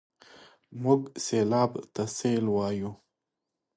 موږ سېلاب ته سېل وايو.